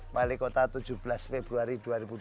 wali kota tujuh belas februari dua ribu dua puluh